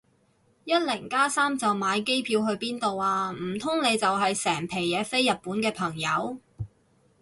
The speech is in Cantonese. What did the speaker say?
一零加三就買機票去邊處啊？唔通你就係成皮嘢飛日本嘅朋友